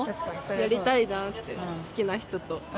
やりたいなって、好きな人と。